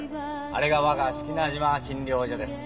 あれが我が志木那島診療所です。